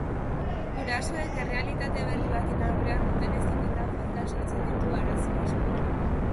Gurasoek errealitate berri baten aurrean duten heziketa faltak sortzen ditu arazo asko.